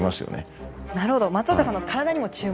なるほど松岡さんの体にも注目。